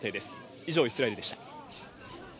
以上、イスラエルでした。